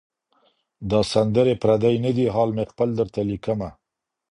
دا سندري پردۍ نه دي حال مي خپل درته لیکمه.